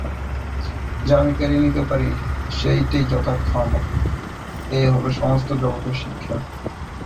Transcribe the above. যা আমি কেড়ে নিতে পারি সেইটেই যথার্থ আমার, এই হল সমস্ত জগতের শিক্ষা।